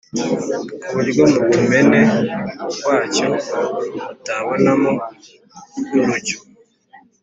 ku buryo mu tumene twacyo batabonamo n’urujyo,